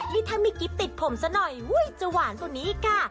นี่ถ้ามีกิ๊บติดผมซะหน่อยจะหวานกว่านี้อีกค่ะ